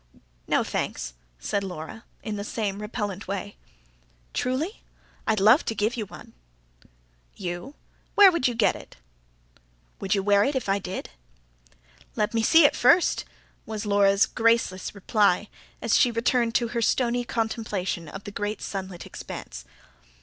"No, thanks," said Laura, in the same repellent way. "Truly? I'd love to give you one." "You? Where would YOU get it?" "Would you wear it, if I did?" "Let me see it first," was Laura's graceless reply, as she returned to her stony contemplation of the great sunlit expanse.